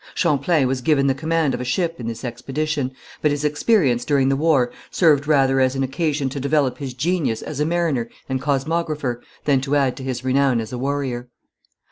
Champlain was given the command of a ship in this expedition, but his experience during the war served rather as an occasion to develop his genius as a mariner and cosmographer, than to add to his renown as a warrior.